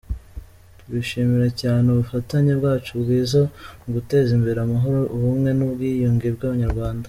Turishimira cyane ubufatanye bwacu bwiza mu guteza imbere amahoro, ubumwe, n’ubwiyunge bw’Abanyarwanda.